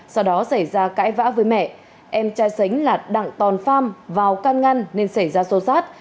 sau đó xảy ra cãi vã với mẹ em trai sánh là đặng tòn pham vào can ngăn nên xảy ra xô xát